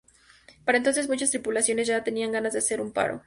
Para entonces, muchas tripulaciones ya tenían ganas de hacer un paro.